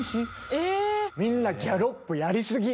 みんなギャロップやりすぎ！